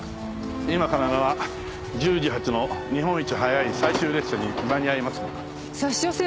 今からなら１０時発の「日本一早い最終列車」に間に合いますよ。